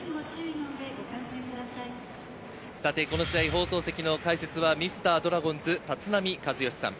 この試合、放送席の解説はミスタードラゴンズ・立浪和義さん。